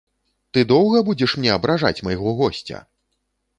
Ты доўга будзеш мне абражаць майго госця?